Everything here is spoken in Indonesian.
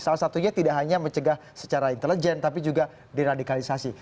salah satunya tidak hanya mencegah secara intelijen tapi juga diradikalisasi